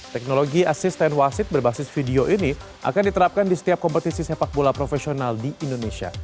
teknologi asisten wasit berbasis video ini akan diterapkan di setiap kompetisi sepak bola profesional di indonesia